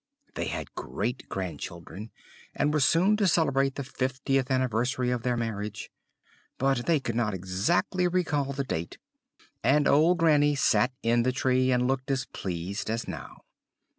They had great grand children, and were soon to celebrate the fiftieth anniversary of their marriage; but they could not exactly recollect the date: and old Granny sat in the tree, and looked as pleased as now.